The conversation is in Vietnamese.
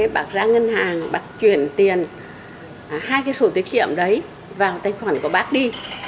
bà ra ngân hàng bà chuyển tiền hai cái sổ tiết kiệm đấy vào tài khoản của bác đi